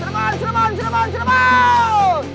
serbuk serbuk serbuk serbuk